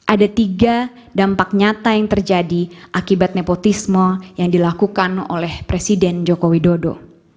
ada tiga dampak nyata yang terjadi akibat nepotisme yang dilakukan oleh presiden joko widodo